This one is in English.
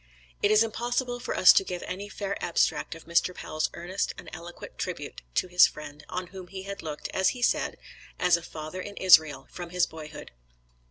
It is impossible for us to give any fair abstract of Mr. Powell's earnest and eloquent tribute to his friend, on whom he had looked, he said, as "a Father in Israel" from his boyhood.